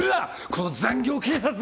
この残業警察が！